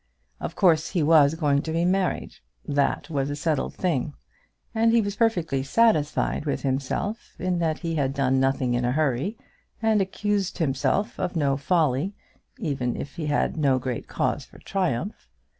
Of course he was going to be married. That was a thing settled. And he was perfectly satisfied with himself in that he had done nothing in a hurry, and could accuse himself of no folly even if he had no great cause for triumph.